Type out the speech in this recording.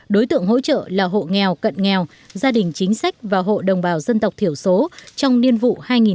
đối tượng hỗ trợ là hộ nghèo cận nghèo gia đình chính sách và hộ đồng bào dân tộc thiểu số trong niên vụ hai nghìn một mươi hai nghìn hai mươi